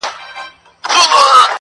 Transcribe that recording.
o خوريی په بدي کي ايله دئ!